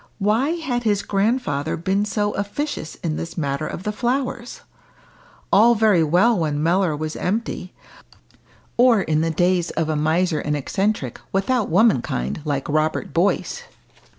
Why had his grandfather been so officious in this matter of the flowers? All very well when Mellor was empty, or in the days of a miser and eccentric, without womankind, like Robert Boyce.